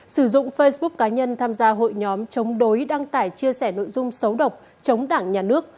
sử dụng facebook cá nhân tham gia hội nhóm chống đối đăng tải chia sẻ nội dung xấu độc chống đảng nhà nước